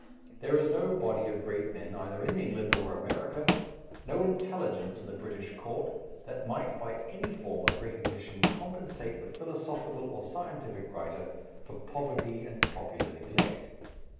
There is no body of great men either in England or America, no intelligence in the British Court, that might by any form of recognition compensate the philosophical or scientific writer for poverty and popular neglect.